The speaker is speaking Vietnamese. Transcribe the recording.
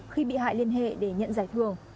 khi bị hại liên hệ để nhận giải thương